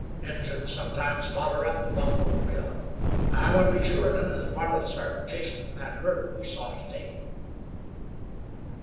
Injuns sometimes foller up a buffalo trail, an' I want to be sure none of the varlets are chasin' that herd we saw to day."